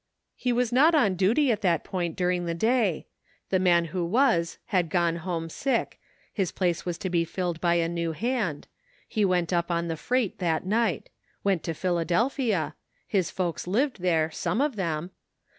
He was not on duty at that point during the day ; the man who was had gone home sick; his place was to be filled by a new hand ; he went up on the freight that night ; went to Philadelphia ; his folks lived there, some of them.